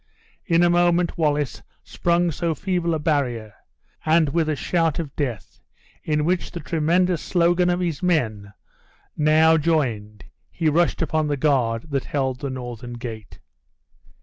In a moment Wallace sprung so feeble a barrier; and with a shout of death, in which the tremendous slogan of his men now joined, he rushed upon the guard that held the northern gate.